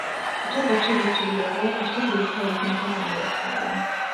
A csapat segítségére volt és sikerült feljutniuk a harmadosztályba.